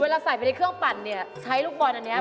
ใส่ไปในเครื่องปั่นเนี่ยใช้ลูกบอลอันนี้